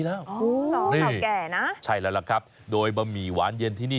อ๋อสำแก่นะใช่แล้วครับโดยบะหมี่หวานเย็นที่นี่